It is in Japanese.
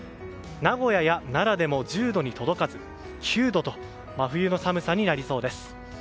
名古屋や奈良でも１０度に届かず、９度と真冬の寒さになりそうです。